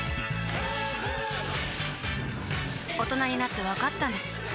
大人になってわかったんです